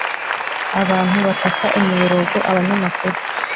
abantu bataka, imiborogo, abanyamakuru